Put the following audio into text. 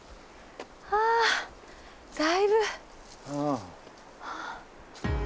はあだいぶ。